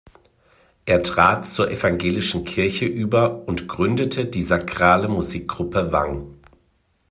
Er trat zur evangelischen Kirche über und gründete die sakrale Musikgruppe "Wang".